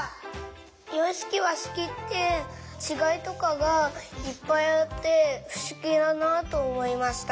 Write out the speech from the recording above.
ようしきわしきってちがいとかがいっぱいあってふしぎだなとおもいました。